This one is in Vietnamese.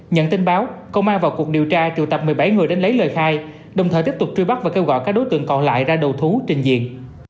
nhận tin báo công an vào cuộc điều tra triệu tập một mươi bảy người đến lấy lời khai đồng thời tiếp tục truy bắt và kêu gọi các đối tượng còn lại ra đầu thú trình diện